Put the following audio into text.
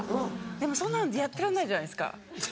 でもそんなのやってらんないじゃないですか。